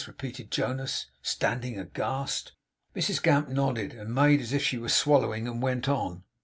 repeated Jonas, standing aghast. Mrs Gamp nodded, made as if she were swallowing, and went on.